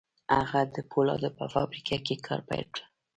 هغه د پولادو په فابريکه کې کار پيل کړ.